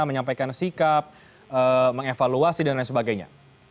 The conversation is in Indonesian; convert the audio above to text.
menyampaikan sikap mengevaluasi dan lain sebagainya